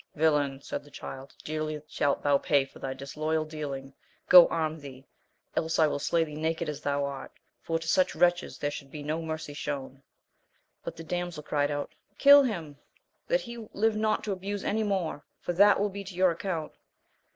Villain, said the Child, dearly shalt thou pay for thy disloyal dealing, go arm thee, else I will slay thee naked as thou art, for to such wretches there should be no mercy shown. But the damsel cried out, kill him, that he live not to abuse any more, for that will be to your account.